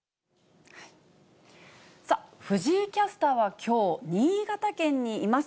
藤井キャスターはきょう、新潟県にいます。